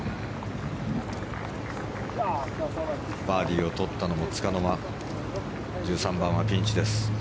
バーディーを取ったのもつかの間１３番はピンチです。